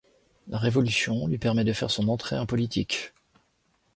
La Révolution lui permet de faire son entrée en politique.